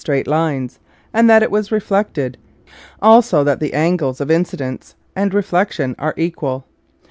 straight lines and that it was reflected; also that the angles of in cidence and reflection are equal.